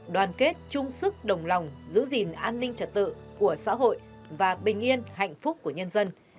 đoàn kết chung sức đồng lòng giữ gìn an ninh trật tự của xã hội và bình yên hạnh phúc của nhân dân